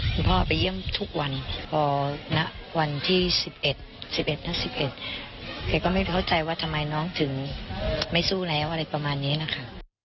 คุณพ่อไปเยี่ยมทุกวันพอณวันที่๑๑๑๑ณ๑๑แกก็ไม่เข้าใจว่าทำไมน้องถึงไม่สู้แล้วอะไรประมาณนี้นะคะ